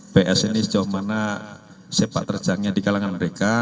ps ini sejauh mana sepak terjangnya di kalangan mereka